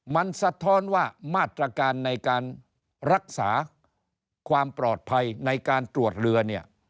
มันสะท้อนว่ามาตรการในการรักษาความปลอดภัยในการตรวจเรือเนี่ย